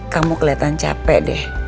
kamu kelihatan capek deh